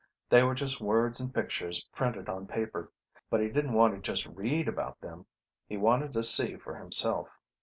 They were just words and pictures printed on paper. But he didn't want to just read about them. He wanted to see for himself.